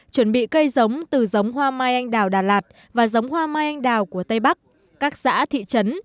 chuẩn bị cây giống từ giống hoa mai anh đào đà lạt và giống hoa mai anh đào của tây bắc các xã thị trấn